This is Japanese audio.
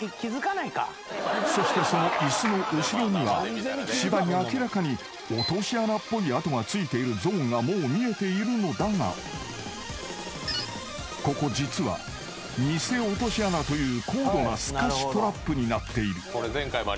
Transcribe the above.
［そしてそのイスの後ろには芝に明らかに落とし穴っぽい跡が付いているゾーンがもう見えているのだがここ実はニセ落とし穴という高度な透かしトラップになっている］